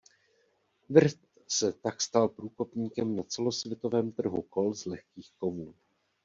Wirth se tak stal průkopníkem na celosvětovém trhu kol z lehkých kovů.